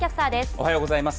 おはようございます。